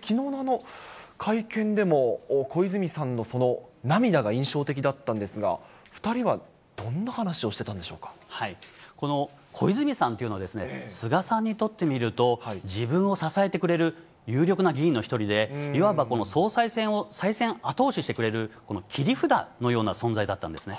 きのうの会見でも、小泉さんの涙が印象的だったんですが、２人はどんな話をしてたんこの小泉さんというのは、菅さんにとってみると自分を支えてくれる有力な議員の一人で、いわば総裁選を、再選を後押ししてくれる切り札のような存在だったんですね。